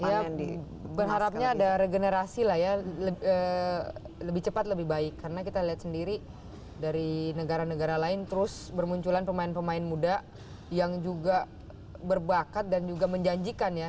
ya berharapnya ada regenerasi lah ya lebih cepat lebih baik karena kita lihat sendiri dari negara negara lain terus bermunculan pemain pemain muda yang juga berbakat dan juga menjanjikan ya